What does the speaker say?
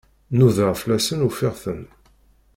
Nudaɣ fell-asen, ufiɣ-ten.